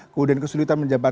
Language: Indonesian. kemudian kesulitan menjabat uang